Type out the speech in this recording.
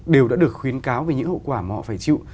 đều đã được khuyến cáo về những hậu quả mà họ phải chịu